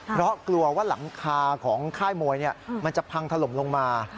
เพราะกลัวว่าหลังคาของค่ายมวยมันจะพังถล่มลงมา